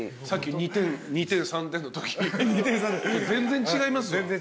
さっき２点３点のときと全然違いますわ。